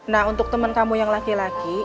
nah untuk teman kamu yang laki laki